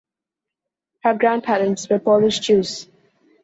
Her grandparents were Polish Jews.